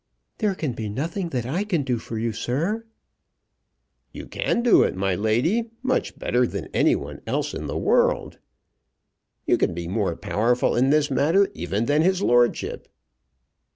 "There can be nothing that I can do for you, sir." "You can do it, my lady, much better than any one else in the world. You can be more powerful in this matter even than his lordship."